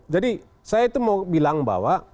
jadi saya itu mau bilang bahwa